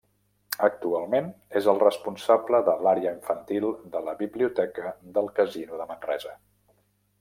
Actualment és el responsable de l'àrea infantil de la Biblioteca del Casino de Manresa.